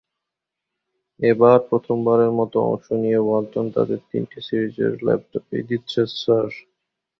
এবার প্রথমবারের মতো অংশ নিয়ে ওয়ালটন তাদের তিনটি সিরিজের ল্যাপটপেই দিচ্ছে ছাড়।